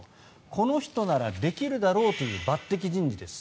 この人ならできるだろうという抜てき人事です。